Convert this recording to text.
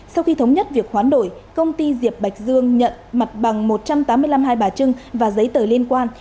sau khi thống nhất việc hoán đổi công ty diệp bạch dương nhận mặt bằng một trăm tám mươi năm hai bà trưng và giấy tờ liên quan